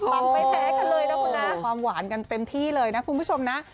ไม่แพ้กันเลยนะคุณนะความหวานกันเต็มที่เลยนะคุณผู้ชมนะ